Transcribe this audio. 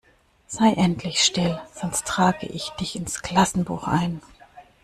Sei endlich still, sonst trage ich dich ins Klassenbuch ein!